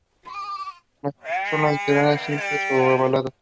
Las hojas son alternas, simples y ovaladas.